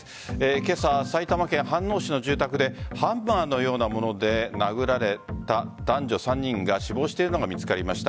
今朝、埼玉県飯能市の住宅でハンマーのようなもので殴られた男女３人が死亡しているのが見つかりました。